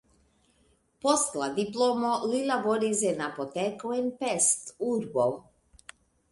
Post la diplomo li laboris en apoteko en Pest (urbo).